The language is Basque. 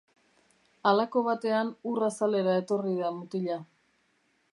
Halako batean, ur azalera etorri da mutila.